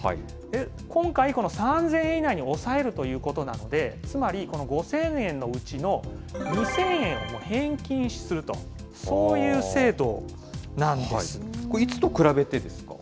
今回、この３０００円以内に抑えるということなので、つまり、この５０００円のうちの２０００円を返金すると、そういう制度ないつと比べてですか？